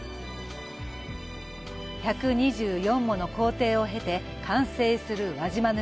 １２４もの工程を経て完成する輪島塗。